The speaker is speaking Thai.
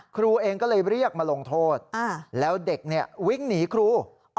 ครูเองก็เลยเรียกมาลงโทษแล้วเด็กวิ่งหนีครู